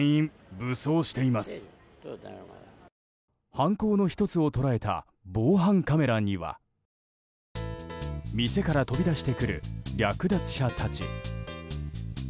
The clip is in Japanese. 犯行の１つを捉えた防犯カメラには店から飛び出してくる略奪者たち。